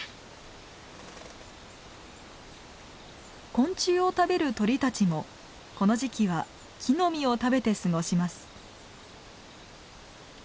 昆虫を食べる鳥たちもこの時期は木の実を食べて過ごします。